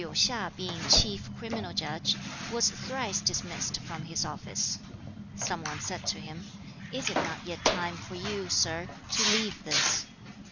Hui of Liu hsia being chief criminal judge, was thrice dismissed from his office. Some one said to him, 'Is it not yet time for you, sir, to leave this?'